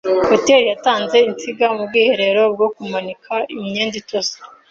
Hoteri yatanze insinga mu bwiherero bwo kumanika imyenda itose.